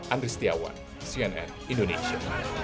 andri setiawan cnn indonesia